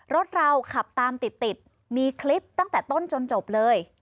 รถเราขับตามติดติดมีคลิปตั้งแต่ต้นจนจบเลย